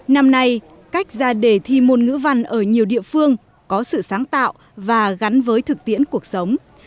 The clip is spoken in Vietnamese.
năm nay cách ra đề thi môn ngữ văn ở nhiều địa phương có sự sáng tạo và gắn với thực tiễn cuộc sống